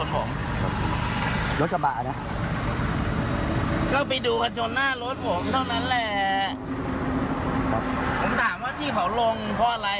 ผมถามว่าที่เขาลงเพราะอะไร